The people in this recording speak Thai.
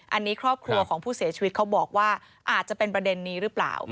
อันนี้ครอบครัวของผู้เสียชีวิตเขาบอกว่าอาจจะเป็นประเด็นนี้หรือเปล่า